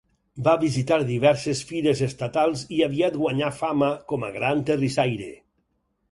Va visitar diverses fires estatals i aviat guanyà fama com a gran terrissaire.